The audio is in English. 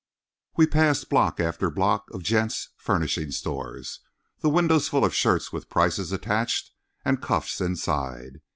We passed block after block of "gents'" furnishing stores—the windows full of shirts with prices attached and cuffs inside.